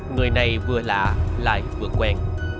người này vừa lạ lại vừa quen